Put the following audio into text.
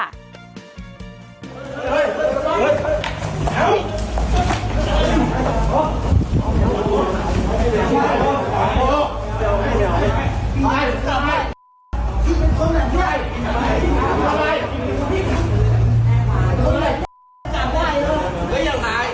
ไอ้ไอ้จับได้ไม่ยังหาย